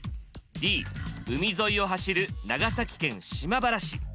Ｄ海沿いを走る長崎県・島原市。